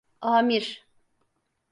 Amir.